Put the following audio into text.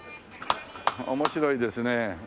面白いですね。